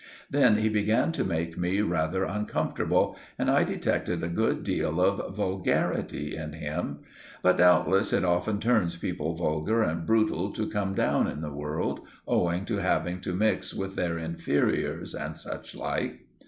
Then he began to make me rather uncomfortable, and I detected a good deal of vulgarity in him. But doubtless it often turns people vulgar and brutal to come down in the world, owing to having to mix with their inferiors and suchlike.